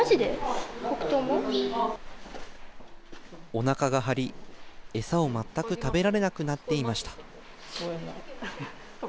おなかが張り、餌を全く食べられなくなっていました。